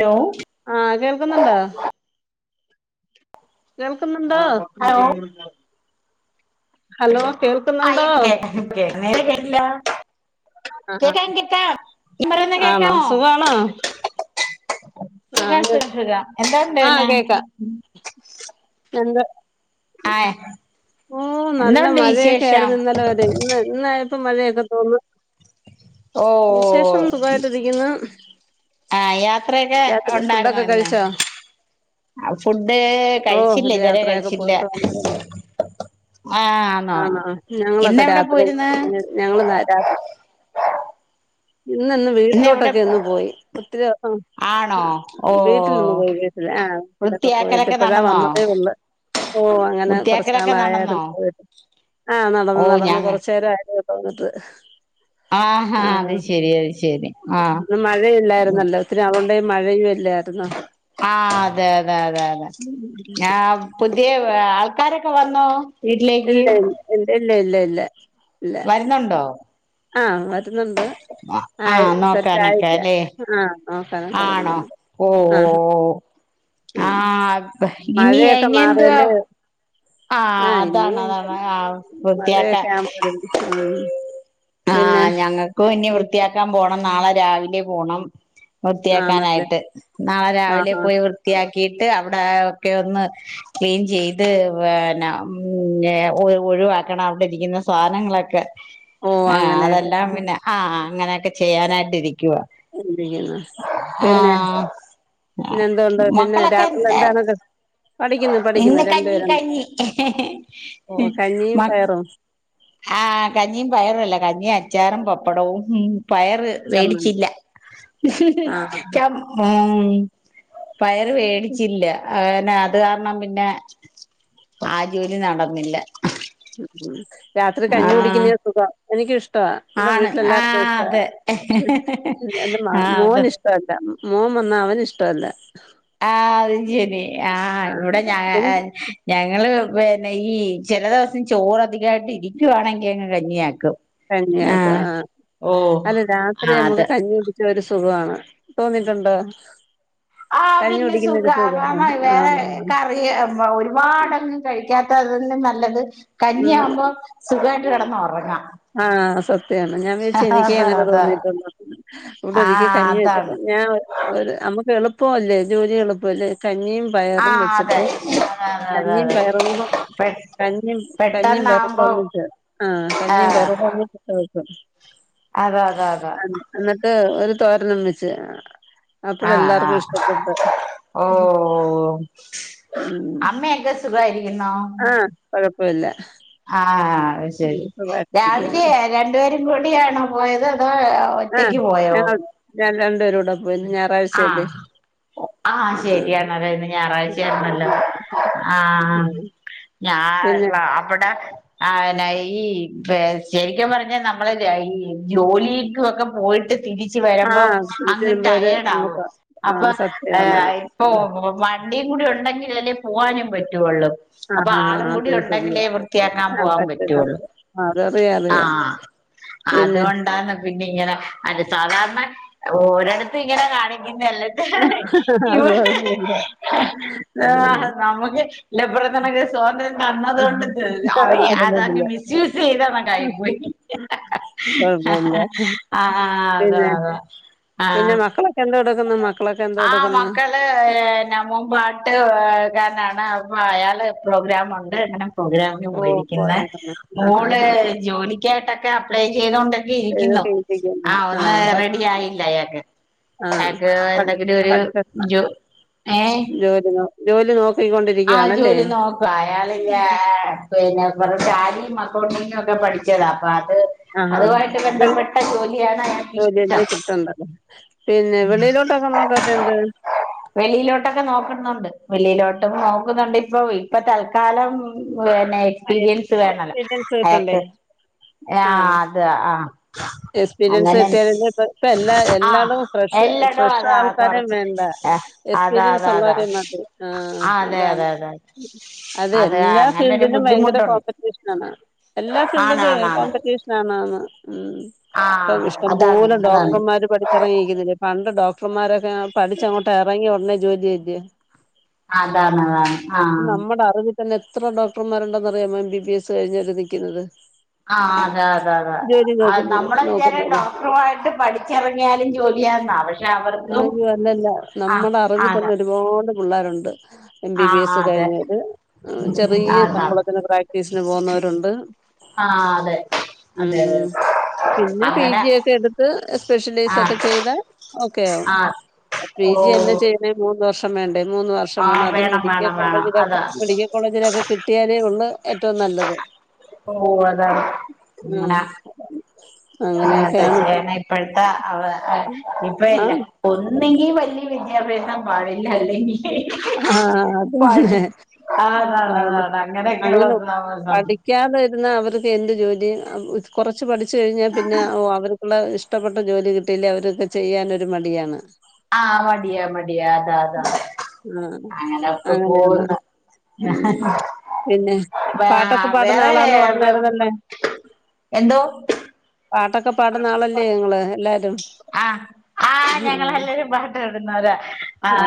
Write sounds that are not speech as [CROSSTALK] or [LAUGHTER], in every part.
Hello ആഹ് കേൾക്കുന്നുണ്ടോ? കേൾക്ക്ന്നുണ്ടോ ഹലോ ഹലോ കേൾ അയ് കേതനും കേക്ക്ന്നേരെ കേട്ട്ട്ടില്ലാ ആഹ് കേക്കം കേക്കാം ഞാൻ പറയുന്ന ആണോ സുഖാണോ? വേം ആഹ് ഷർട്ട്ടാ ആഹ് കേക്ക പിന്നെന്ത് ആ ഓ ന്നല്ല എന്തുണ്ട് മഴയൊക്കെ വിശേഷം ആയിരുന്നു ഇന്നല വരെ ഇന്ന് ഇന്നായം പ്പം മഴയൊക്കെ തോന്ന് ഓ വിശേഷം സുഖായിട്ട് ഇരിക്കുന്ന് ആഹ് യാത്രയൊക്കെ ഒണ്ടായിര്ന്നോ ഫുഡൊക്കെ ഇന്ന് കഴിച്ചോ അത് ഫുഡ്ഡ് ഓ കഴിച്ചില്ല ഒരു ഇതരെ യാത്രയൊക്കെ കഴിച്ചില്ല പോയിട്ട് ആമ് ആന്നോ ഞങ്ങളൊക്കെ രാത്രി ങ്ങന്നെ ഞങ്ങള്ന്ന രാ ഇന്നെന്ന് ഇന്നെവിടെ വീട്ടിലോട്ടൊക്കെ ഒന്ന് പോയി ഒത്തിരി ഒസം ആണോ ആഹ് ഓ വീട്ടിലിന്ന് പോയി വെഫ്ലേ ആഹ് ഇടക്ക പോയിട്ട് വൃത്തിയാക്കലൊക്കെ ഇപ്പഴാ നടന്നോ വന്നതേ ഒള്ള ഓ അങ്ങനെ കൊറച്ച് വൃത്തിയാക്കലൊക്കെ നടന്നോ നാള്ആയായിരുന്നു പോയിട്ട് ആഹ് ന്നടന്ന് ഓ ന്നടന്ന് ഞങ്ങ കൊറച്ചേരം ആയതേഒള്ളൂ വന്ന്ട്ട് ആഹാ ആണോ അത് ശരി അത് ശരി ആഹ് ഇന്ന് മഴയില്ലായിരുന്നല്ലോ പ് രാവിലേ മഴയും എല്ലാര്ന്നോ ആഹ് അതെ അതെ അതെ അതെ ഞാം പുതിയ വേ ആൾക്കാരൊക്കെ വന്നോ? വീട്ടിലേക്ക് ഇല്ല ഇല്ല എല്ല എല്ല എല്ല വര്ന്നുണ്ടോ? ആഹ് വരുന്ന്ണ്ട് ആയ് ആഹ് നോക്കാനൊക്കെ സെറ്റായില്ല അല്ലേ ആഹ് ന്നോക്കാനൊക്ക ആണോ വരുന്നുണ്ട് ഓ ഓ ആഹ് ഓ മ് ആഹ് ഇനി മഴയൊക്കെ ഇനി എന്തുവാ മാറിയല് ആഹ് ഇന്ന് അതാണ് അതാണ് വന്ന്ട്ടൊള്ളൂ ആഹ് വൃത്തിയാക്ക മഴയൊക്കെ ആഉമ്പം രണ്ടീസം നിന്ന് ആഹ് ഞങ്ങക്കും ഇനി വൃത്തിയാക്കാം പോണം ന്നാള രാവിലേ പോണം ആണല്ലേ വൃത്തിയാക്കാനായിട്ട് ന്നാളെ ആഹ് രാവിലേ ആഹ് പോയി വൃത്തിയാക്കിട്ട് അവിടേ ഒക്കേ ഒന്ന് ക്ലീൻ ചെയ്ത് വേണം മുന്നേ ഒഴ് ഒഴിവാക്കണം അവിടെ ഇരിക്കുന്ന സാനങ്ങളൊക്കെ ഓ അങ്ങ അതെല്ലാം പിന്നെ ആഹ് അങ്ങനെക്കെ ചെയ്യാനായിട്ട് ഇരിക്കുവാ എന്തെയ്യുന്നു പിന്നേ പിന്നെ എന്തുണ്ട് പിന്നെ മക്കളൊക്കെ രാത്രിൽ എന്താണത് പഠിക്കുന്നു പഠിക്കുന്നു ഇന്ന് രണ്ട് കഞ്ഞി പേരൊണ്ട് കഞ്ഞി ഓ കഞ്ഞിയും മ പയറും ആഹ് കഞ്ഞിയും പയറുല്ല കഞ്ഞിയും അച്ചാറും പപ്പടവും മീൻ പയറ് ചമ്മന്തി വേടിച്ചില്ല ആഹ് ക്കം മോം പയറ് വേടിച്ചില്ല അതന്നെ അത് കാരണം പിന്നെ ആ ജോലി നടന്നില്ല ഉം രാത്രി കഞ്ഞി ആഹ് കുടിക്കുന്നെയ സുഖം എനിക്ക് ഇഷ്ടാ ഇവ്ടെ ആണ് വീട്ടിലെല്ലാർക്കും ആഹ് ഇഷ്ടാ അതെ എന്റെ മ ആഹ് അതെ മോനിഷ് ഇഷ്ടല്ല മോം വന്നാ അവന് ഇഷ്ടല്ല ആഹ് അത് ശെരി ആഹ് ഇവിടെ ഞാ ആ ഞങ്ങള് പിന്നെ ഈ ചെല ദിവസം ചോറ് അധികായിട്ട് ഇരിക്കുവാണെങ്കി അങ്ങ് കഞ്ഞിയാക്കും കഞ്ഞിയാക്കും ആഹ് ആ ഓഹ് അല്ല രാത്രി ആഹ് അത് നമുക്ക് കഞിയുടി ഒര് സുഖാണ് തോന്നീട്ടുണ്ടോ ആഹ് പിന്നെ സുഖാ കാമ സുഖവാണ് വേ ആന്ന് ആന്ന് കറ് റി ഒരുപാടങ്ങ് കഴിക്കാത്തതിനും ന്നല്ലത് ഉം കഞ്ഞിയാംമ്പം സുഖയിട്ട് കിടന്നൊറങ്ങാം ആ സത്യാണ് ഞാൻവിചാരിച്ചു എനിക്കേങ്ങനെ അതെ തോന്നീട്ടൊള്ളു ഇവിടെ ഒരിക്കേ ആഹ് കഞ്ഞി വെച്ച അതാണ് ഞാ ഒരു നമുക്ക് എളുപ്പാവല്ലേ ജോലി എളുപ്പല്ലേ കഞ്ഞിയും പയറും ആഹ് അതെ വെച്ചിട്ട് അതെ അതെ അതെ കഞ്ഞിയും അതെ പയറും പെ കഞ്ഞിയും കഞ്ഞിയും പയറും പെട്ടെന്നാവുമ്പോ വന്നിട്ട് ആ കഞ്ഞിയും പയറും ഒന്നിച്ചു ഇട്ട് വെക്കും അതാ അതാ അതാ എന്നിട്ട് ഒരു തോരനും വെച്ച് ആഹ് അപ്പഴെല്ലാർക്കും ആഹ് ഇഷ്ടപ്പെട്ട് ഓ ഉം അമ്മേക്ക സുഖായിരിക്കുന്നോ കൊഴപ്പില്ല ആ അത് ശരി രാവിലെ രണ്ടുപേരും കൂടിയാണോ പോയത് അതോ ആഹ് ഒറ്റക്ക് പോയോ ഞങ്ങൾ ഞാൻ രണ്ടുപേരൂടെ പോയി ഇന്ന് ഞായറാഴ്ച്ച അല്ലേ ആ ശരിയാണല്ലോ ഇന്ന് ഞായറാഴ്ച ആഹ് ആണല്ലോ ഞായറാഴ്ച ആഹ് ഞാ പിന്നെ ന്നാ അവിടെ ആ പിന്നെ ഈ ശരിക്കും പറഞ്ഞാ നമ്മൾ ഈ ജോലിക്കൊക്കെ പോയിട്ട് തിരിച്ച വരുമ്പോ ആഹ് പിന്നെ അങ്ങ് ചെല്ലുമ്പോര് ടയേർഡ് ആവും നമുക്ക് അപ്പൊ ആഹ് സദ്യയാണ് ഏഹ് ഇപ്പോ വ വണ്ടിയും കൂടി ഉണ്ടെങ്കിലലേ പോവാനും പറ്റുള്ളൂ ആഹ് അപ്പൊ ആളും ആഹ് കൂടി അത് ഉണ്ടെങ്കിലേ ശരിയാ വൃത്തിയാക്കാൻ ആഹ് പോവാൻ പറ്റും പറ്റുള്ളു പറ്റും അതറിയാ ആ അറിയാ പിന്നെ അതുകൊണ്ടാണ് പിന്നെ ഇങ്ങനെ അല്ല സാധാരണ ഒരിടത്തും ഇങ്ങനെ കാണിക്കുന്നല്ല അത് ഇവിടെ കൊഴപ്പല്ല ആഹ് നമുക്ക് [UNINTELLIGIBLE] കന്നതൊണ്ട് ത ആഹ് അതങ്ങ് അതല്ലതില്ല മിസ്യൂസ് ചെയ്തന്നങ്ങായി പോയി കൊഴപ്പല്ല ആഹ് ആഹ് അതാ പിന്നെ അതാ പിന്നെ ആഹ് മക്കളൊക്കെ എന്ത് എടുക്കുന്നു മക്കളൊക്കെ എന്ത് എടുക്കുന്നു നമം പാട്ട് കാരാണ് അപ്പൊ അയാൾ പ്രോഗ്രാംണ്ട് അങ്ങനെ പ്രോഗ്രാം ഓ പോയിരിക്കുന്നു പോയേക്കുന്നു ആഹ് മോൾ ആഹ് ആഹ് ജോലിക്കായിട്ടക്കെ അപ്ലൈ ചെയ്തോണ്ട് എഴുതൊക്കെ ഇരിപ്പിക്കുന്നു ഒന്ന് ആഹ് റെഡി ആയില്ല അയാൾക് ആഹ് അയാൾക് പഠി പഠിത്ത ഒരു ഏഹ് ജോലി നോ ജോലി നോക്ക് ആഹ് ജോലി നോക്ക അയാളില്ല പിന്നെ കുറെ റ്റാലിയും അക്കൗണ്ടിങ്ങും ഒക്കെ പഠിച്ചതാ അപ്പൊ അത് ആഹ് ആഹ് അതുമായിട്ട് ബന്ധപ്പെട്ട ജോലിയാണ് അയാക് ഇഷ്ട്ടം ണ്ടല്ല പിന്നെ വെളിയിലോട്ടൊക്കെ നോക്കാത്ത എന്ത് വെളിയിലോട്ടൊക്കെ നോക്കുന്നുണ്ട് വെളിയിലോട്ടും നോക്കുന്നുണ്ട് ഇപ്പൊ ഇപ്പൊ തൽക്കാലം പിന്നെ എക്സ്പീരിയൻസ് വേണല്ലോ എക്സ്പീരിയൻസ് അയാക്ക് കിട്ടണ്ടേ ആഹ് അത് ആഹ് എക്സ്പീരിയൻസ് അങ്ങനെ കിട്ടിയാലല്ലേ ഇപ്പ ഇപ്പ എല്ലാ അഹ് എല്ലായിടവും ഫ്രഷ് എല്ലടും ഫ്രഷ് അതാ ആൾക്കാരെ കൊറച്ച് വേണ്ട അതാ എക്സ്പീരിയൻസ് അതാ അതാ ഉള്ളവരെ അതെ അതെ അതെ അതെ അത് എല്ലാ അങ്ങനെ ഫീൾഡി ഒരു ലും ഭയങ്കര ബുദ്ധിമുട്ടുണ്ട് കോമ്പറ്റീഷൻ ആണ് എല്ലാ ഫീൽഡിലും ആണാണാണ് കോമ്പറ്റീഷൻ ആണന്ന് ഉം ആ ഇപ്പം അതാണ് ഇഷ്ടംപലെ അതാണ് ഡോക്ടർമാര് പഠിക്ക ഇറങ്ങിയിരിക്കുന്നില്ലേ പണ്ട് ഡോക്ടർമാരൊക്കെ പഠിച്ച അങ്ങോട്ട് ഇറങ്ങി ഉടനെ ജോയിൻ ചെയ്യില്ലേ അതാണ് അതാണ് ആ നമ്മുടേ അറിവ്താന്നെ എത്ര ഡോക് ഡക്ടർമാണ്ടെന്നറിയാോ എം ബി ബി എസ് കഴിഞ്ഞ് നിക്കുന്നത് ആഹ് അതെ അതെ അതെ അ നോക്കുന്നത് നമ്മളെ വിചാരം നോക്കുന്നവര് ഡോക്ടറുമായിട്ട് പഠിച്ചിറങ്ങിയാലും ജോലിയാന്ന പക്ഷെ അവർക്കും കൊല്ലഅല്ലല്ല ആ നമ്മുടെ അറിവിൽ അത തന്നെ ഒരുപാട് പിള്ളേരുണ്ട് എം ആ ബി ബി എസ് അതെ കഴിഞ്ഞവര് ചെറിയ അത ശമ്പളത്തിന് പ്രാക്ടീസിന് പോകുന്നവരുണ്ട് ആഹ് അതെ ഉം അതെ ഉം പിന്നെ പീ അങ്ങനെ ജി ഒക്കെ എടുത്ത് സ്പെഷ്യലൈസ് ആ ഒക്കെ ചെയ്താൽ ഓക്കെയോ ആ പി ഓ ജി എന്നെ ചെയ്യണേ മൂന്ന് വർഷം വേണ്ടേ മൂന്ന് വ ർഷം ആ വേണം അത് മെഡിക്കൽ വേണം വേണം കോളേജിലൊക്കെ അതാ മെഡിക്കൽ കോളേജിലൊക്കെ കിട്ടിയാലേ ഉള്ള് ഏറ്റവും നല്ലത് ഓ അതാണ് ഉം അങ്ങനെ താ അങ്ങനെയൊക്കെയാണ് ഇപ്പം ചെയ്യന ഇപ്പഴത്തെ ഇപ്പ ആ ഇല്ല ഒന്നെങ്കി വലിയ വിദ്യാഭ്യാസം പാടില്ല അല്ലെങ്കി ആഹ് പഠി അതന്നെ അതാണ് അതാണ് അങ്ങനെയൊക്കെയുള്ള അങ്ങനെ പഠി ക്കാതിരുന്ന അവർക്ക് എന്ത്‌ ജോലിയും കുറച്ച് പഠിച്ചു കഴിഞ്ഞാൽ പിന്നെഓ അവർ ഇഷ്ടപ്പെട്ട ജോലി കിട്ടീല്ലേ അവരൊക്കെ ചെയ്യാനൊരു മടിയാണ് ആഹ് മടിയാ മടിയാ അതാ അതാ ആഹ് അങ്ങനെയൊക്കെ അങ്ങനെയാണ് പോകുന്ന ഞാൻ ഉം പിന്നെ വേ പാട്ടൊക്കെ പാടുന്ന വേറെ ആളാന്ന് പറഞ്ഞായിരുന്നല്ലേ എന്തോ പാട്ടൊക്കെ പാടുന്ന ആളല്ലേ ങ്ങള് എല്ലാരും ആഹ് ആഹ് ഞങ്ങളെല്ലരും പാട്ട് പാടുന്നവരാ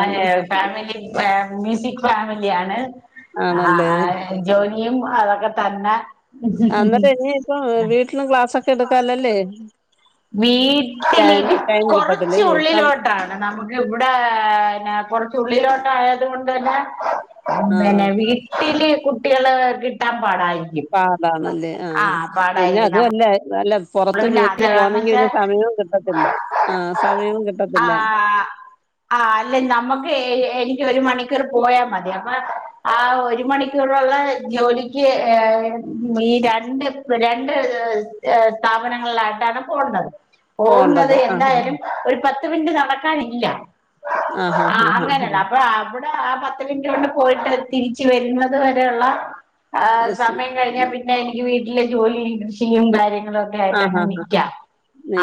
ആണ് ഫാമിലി ഫാമിലി ഫാമിലിയാണ് ആണല്ലേ ആഹ് എഹ് ജോലിയും അതൊക്കെ തന്നെ അന്നേട്ട് ഇഞിപ്പോ വീട്ടിലും ക്ലാസ്സൊ വീട്ടില് ടൈം ഇത് ടൈം കൊറച്ച് കിട്ടത്തില്ലല്ലേ സം ഉള്ളിലോട്ടാ നമുക്ക്ബ്ടെന്നെ കൊറച്ച് ഉള്ളിലോട്ടായത് കൊണ്ട് തന്നെ ആഹ് പെന്നെ വീട്ടില് കുട്ടികള് കിട്ടാപാടാ പാടാണല്ലേ ആഹ് പിന്നെ നമ്മ അതൊല്ല നല്ല പൊറ നമ്മള് ത്ത് പിന്നെ അത് ജോലിക്ക് കാരണംന്ന് പോന്നെങ്കി പിന്നെ വെച്ചാ സമയും കിട്ടത്തില്ല ആഹ് സമയവും കിട്ടത്തില്ല ആഹ് ആഹ് അല്ല നമ്മക്കേ എനിക്കൊരു മണിക്കർ പോയാമതി അമ്മാ ആഹ് ഒരു മണി ക്യുള്ളള്ളേ ജോലിക്ക് ഏഹ് മീ രണ്ട്പെ രണ്ട് സ്ഥാപനങ്ങൾലായ്ട്ടാണ് പോണ്ടത് പോവുന്നത് പോണ്ടത് ആഹ് എന്തായാലും ഒരു പത്ത് ത്ത്മിൻറ്റ് നടക്കാനില്ല ആഹ് അങ്ങനെല്ല അപ്പളാ അവ് ആഹ് പത്ത് മിൻറ്റ് കൊണ്ട് പോയിട്ട് തിരിച്ച് വരുന്നത് വരെള്ള ആഹ് സമയം കഴിഞ്ഞാപിന്നെ എനിക്ക് വീട്ടിലെ ജോലി ചിയ്യും കാര്യങ്ങളൊ ആഹ് ആഹ് ആഹ് ക്കെയായിട്ടങ്ങനെ ആഹ് ആഹ് നിക്ക്യാ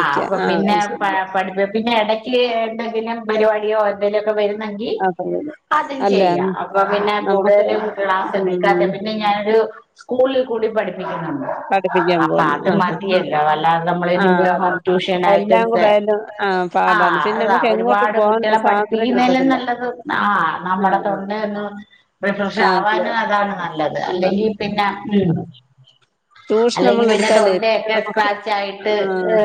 ആഹ് അപ്പൊ പിന്നെ അത് പ ശരി ആഹ് പഠിപ്പ് പിന്നെ എടയ്ക്ക്ണ്ട് പിന്നെ പരിവാടിയോ എന്തെങ്കിലൊക്കെ വരുന്നങ്കി അതല്ല അല്ല അതുൻചെയ്യാ അപ്പൊ പിന്നെ നമുക്ക് കൂട്തലും ക്ലാസ് ഉം ട്ക്കാത്ത പിന്നെ ഞാനൊരു സ്കൂളിൽ കൂടിം പഠിപ്പിക്കുന്നുണ്ട് പഠിപ്പിക്കാൻ അപ്പാ പോന്നു അത് മ ആഹ് ത്തിയല്ലാ ആഹ് അല്ലാതമ്മളന്യുബയോഗം ട്യൂഷനായിട്ട് എല്ലാം കൂടെ ആയാലും ആഹ് പാടാണ് സെആഹ് പിന്നെ അതാ നമുക്ക് ഒര്പാട് എങ്ങോട്ടും പോകാനൊരു ട്ടെകുട്ട്യേളെ സ്വാതന്ത്ര്യം പഠിപ്പിക്യുന്നേലും കിട്ടത്തില്ല നല്ലത് ആഹ് നമ്മടെ ആഹ് തൊണ്ടെന്നു റിഫ്രഷ് ആഹ് ക്ലിയർ ആവാനതാണ് നല്ലത് അല്ലെങ്കി പിന്നെ ഉം ട്യൂഷൻ എല്ലെങ്കിൽ നമ്മൾ പിന്നെ എടുത്താലേ തൊണ്ടേ പിന്നെ നമുക്ക് ക്രാച്ചായിട്ട് ആഹ്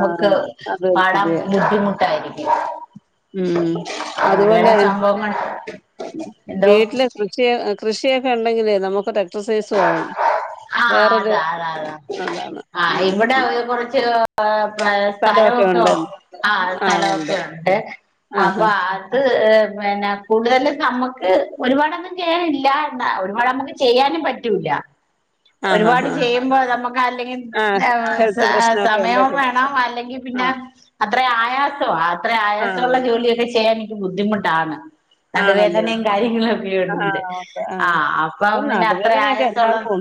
മുക്ക് അത് പാടാം ശരിയാ ദ്ധിമുട്ടായിരിക്യും ഉം അത്പോലെ സംഭവങ്ങൾ ഉം എന്തോ വീട്ട്ല് പക്ഷേ കൃഷിയൊക്കെണ്ടങ്കില് നമുക്ക് ട്ടെ ട്രസൈസോവും ആഹ് വേറൊര് അതാ അതാണ് ഉം ന്നെ കൊറച്ചേരോ പാം ഏഹ് സ്ഥലോക്കെ ഉണ്ട് ഒഹ് ആഹ് സ്ഥലോക്കെ ഉണ്ട് അപ്പൊ ആഹാ ആഹ് ത് പിന്നെ കൂട്തൽ നമുക്ക് ഒരുപാടന്നും ചെയ്യാനില്ലാ എന്ന ഒരുപാട് അമക്ക് ചെയ്യാനും പ റ്റൂല ആഹാ ഒരുപാട് ഹാ ഹാ ചെയ്യുമ്പോ നമുക്ക് അല്ലെങ്കിൽ ആ ദേവ് സെ ഹെൽത്ത് പ്രശ്നമൊക്കെ ഉണ്ട് സമയം വേണം അല്ലെങ്കി ആ പിന്നെ അത്ര ആയാസോ അത്രേ ആ ആയാസുള്ള ജോലിയൊക്കെ ചെയ്യാൻനിക്ക് ബുദ്ധിമുട്ടാണ് ആണല്ലേ നടുവേദനിം ആ കാര്യങ്ങളുഒക്കെയുണ്ട് ഓക്കെ ആ ആഹ് അപ്പൊ ഇപ്പൊ പിന്നെ ത്രേ നടുവേദനയൊക്കെ ആയാസുള്ള എല്ലാർക്കും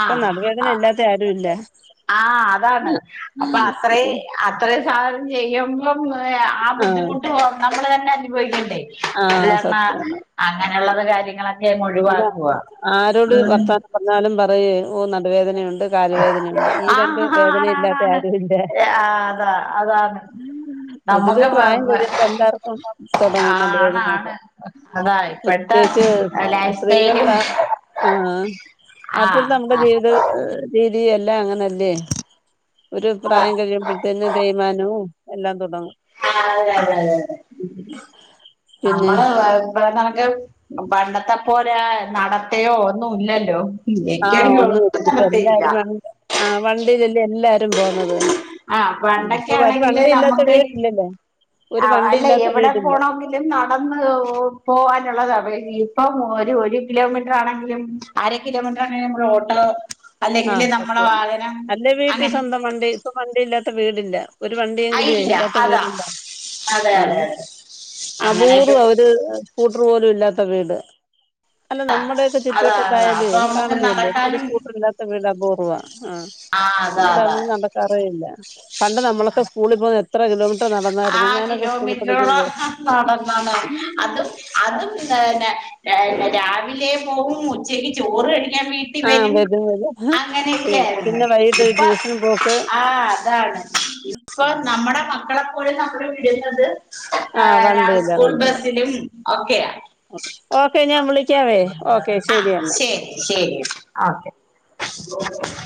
ആഹ് ത്തെ ആരുല്ലേ ആഹ് അതാണ് അപ്പ അത്രേ അത്രേം സാധനം ചെയ്യുമ്പം ഉം ആഹ് ആ ബുദ്ധിമുട്ട് ഓഹ് നമ്മള് തന്നെ അനുഭവിക്കണ്ടേ ആ അത്കാര്ണാ സത്യാണ് അങ്ങനെള്ളൊര് കാര്യങ്ങളക്കെ മൊഴിവാക്കുവാ ഉം പർഞ്ഞാലും പറയേ ഓഹ് നടുവേദനയുണ്ട് കാല് വേദനയുണ്ട് ഈ രണ്ട് ആഹ് ആഹ് വേദന ഇല്ലാത്ത ആണാണാണ് ആരുംല്ലേ ആഹ് അതാ അതാണ് ട്ടൊതൊരു നമ്മുക്ക് പ്രായം കഴിയുമ്പ എന്താർക്കും തൊടങ്ങുന്നുണ്ട് വേദനയൊക്കെ ആണാണ് അതാ ഇപ്പഴത്തെ പ്രത്യേച്ച് ലൈഫ് സ്റ്റൈലും സ്ത്രീകൾലാമ്പോ ആഹ് ആഹ് ആഹ് അപ്പൾത്തെ അമ്മ്ടെ ജീവിത രീതി എല്ലാ അങ്ങനല്ലേ ഒരു പ്രായം കഴിയുമ്പൾ പിന്നെ തേമാനവും എല്ലാം തൊടങ്ങും ആഹ് അതെ അതെ അതെ അതെ പിന്നെ അമ്മളെവ [UNINTELLIGIBLE] നമക്ക് പണ്ടത്തെ പോലെ ആഹ് നടത്തേ ഒന്നും ഇല്ലല്ലോ ആഹ് എനിക്കാണെങ്കിൽ ഒന്നും ഒട്ടും [UNINTELLIGIBLE] നടത്തയില്ല എല്ലാരും വൺ ആഹ് വണ്ടീലല്ലേ എല്ലാരും പോന്നത് ആഹ്, ഇപ്പൊ ഒരു പണ്ടെക്കേണെങ്കില് വണ്ടി ഇല്ലാത്ത നമ്മക്ക് വീടില്ലല്ലേ ഒരു ആഹ് വണ്ടി അല്ല ഇല്ലാത്ത എവിടെ വീടില്ല പോണോക്ക് ലും നടന്ന് പോവാനുള്ളതാ ഇപ്പം ഒരു ഒര് കിലോമീറ്ററാണെങ്കിലും അര കിലോമീറ്ററാണെങ്കി അമ്മളെ ഓട്ടോ, അല്ലെങ്കില് ആഹ് നമ്മളെ സത്യം വാഹനം അങ്ങനെ ഇപ്പ വണ്ടി ഇല്ലാത്ത വീടില്ല. ഒരു വണ്ടിയെങ്കിലുയേ ഇല്ല ഇല്ലാത്ത അതാ വീടുണ്ടോ അതെ ആഹ് അതെ അതെ അങ്ങനെയൊക്കെ അപൂർവ ഒര് സ്കൂട്ട്ർ പോലു ഇല്ലാത്ത വീട് അല്ല നമ്മടെയൊക്കെ അതാ അതാ അപ്പൊ ചുറ്റുവട്ടത്തായാലുഏ നമുക്ക് കാണുന്നേയല്ലേ. ഒരു നടക്കാനും സ്കൂട്ട്റില്ലാത്ത വീടബൂർവാ ആഹ് ആ അതാ ഇന്നലെ അതാ അമ്മള് നട തറയില്ല. പണ്ട് നമ്മളൊക്കെ സ്കൂളി പോയത് എത്ര കിലോമീറ്റർ ആ നടന്നായിര്ന്ന് ഞാനൊക്ക സ്കൂളി പഠിക്കുന്നത് കിലോമീറ്ററോളം നടന്നാണ്. അതും അതും തന്നെ രാവിലേ പോകും ഉ ഉച്ചയ്ക്ക് ചോറ് കഴിക്കാൻ വീ ട്ടി ആഹ് വരും വരും അങ്ങനെയെക്കെ ആയിര്ന്ന്. പിന്നെ വൈകിട്ട് ഇപ്പ ട്യൂഷന് പോക്ക് ആഹ് അതാണ് ഇപ്പം നമ്മടെ മക്കളെപ്പോലും നമ്മള് വിടുന്നത് ആഹ് രാ വണ്ടിയില്ല സ്കൂൾ വണ്ടിയില്ല ബസ്സിലും ഒക്കെയാ ഓക്കെ ഞാൻ വിളിക്കാവേ ഓക്കെ ആഹ് ശരി എന്നാ ശെരി ശെരി ഓക്കെ